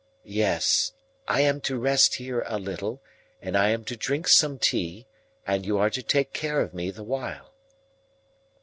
"Yes, I am to rest here a little, and I am to drink some tea, and you are to take care of me the while."